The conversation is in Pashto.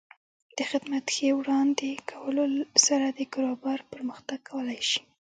د خدمت ښې وړاندې کولو سره د کاروبار پرمختګ کولی شي.